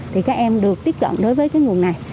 thì các em được tiếp cận đối với cái nguồn này